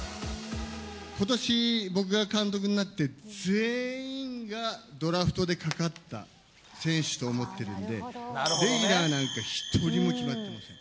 ことし僕が監督になって、全員がドラフトでかかった選手と思ってるんで、レギュラーなんか１人も決まっていません。